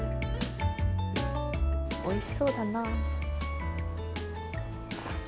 おいしそうだなぁ。